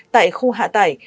tại khu hạ tải